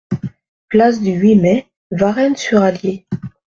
Place du huit Mai, Varennes-sur-Allier